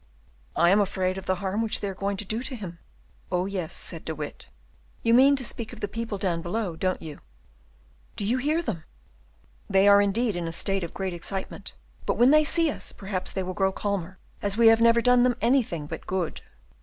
"I am afraid of the harm which they are going to do to him." "Oh, yes," said De Witt, "you mean to speak of the people down below, don't you?" "Do you hear them?" "They are indeed in a state of great excitement; but when they see us perhaps they will grow calmer, as we have never done them anything but good."